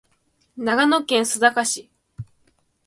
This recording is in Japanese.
長野県須坂市